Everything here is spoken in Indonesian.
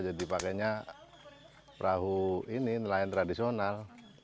jadi pakainya perahu ini nelayan tradisional